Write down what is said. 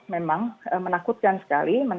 memang menakutkan sekali